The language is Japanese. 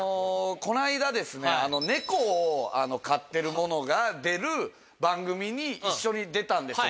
この間猫を飼ってる者が出る番組に一緒に出たんですよ